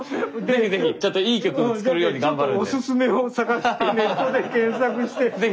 是非是非ちょっといい曲を作るように頑張るんで。